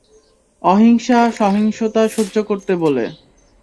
অহিংসা সহিংসতা সহ্য করতে বলে।